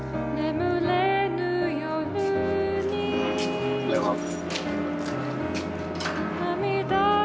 おはようございます。